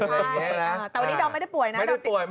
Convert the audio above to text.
แต่วันนี้ดอมไม่ได้ป่วยนะ